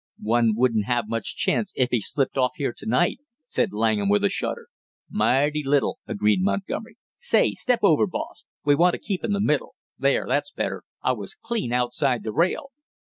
"One wouldn't have much chance if he slipped off here to night," said Langham with a shudder. "Mighty little," agreed Montgomery. "Say, step over, boss we want to keep in the middle! There that's better, I was clean outside the rail."